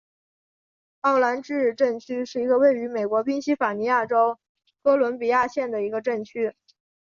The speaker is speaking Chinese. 奥兰治镇区是一个位于美国宾夕法尼亚州哥伦比亚县的一个镇区。